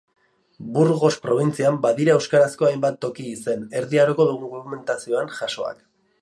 Burgos probintzian badira euskarazko hainbat toki-izen, Erdi Aroko dokumentazioan jasoak.